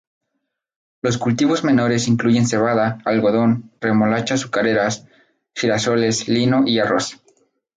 Los cultivos menores incluyen cebada, algodón, remolacha azucareras, girasoles, lino, y arroz.